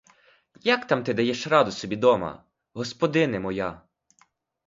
Як там ти даєш собі раду дома, господине моя?